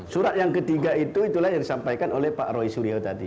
surat yang ketiga itu itulah yang disampaikan oleh pak roy suryo tadi